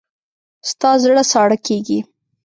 ستا زړه ساړه کېږي.